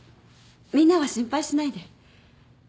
みんなは心配しないで。